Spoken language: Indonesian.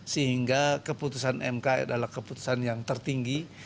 sehingga keputusan mk adalah keputusan yang tertinggi